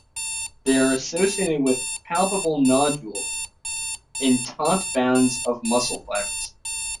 They are associated with palpable nodules in taut bands of muscle fibers.